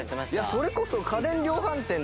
それこそ。